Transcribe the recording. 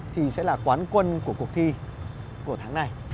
thì sẽ là quán quân của cuộc thi của tháng này